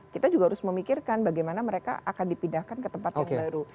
kita juga harus memikirkan bagaimana mereka akan dipindahkan ke tempat yang baru